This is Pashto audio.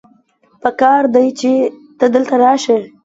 پکار دی چې ته دلته راشې